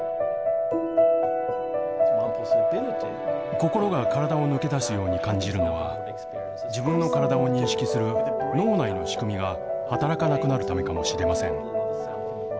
心が体を抜け出すように感じるのは自分の体を認識する脳内の仕組みが働かなくなるためかもしれません。